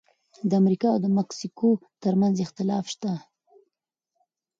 د امریکا او مکسیکو ترمنځ اختلاف شته.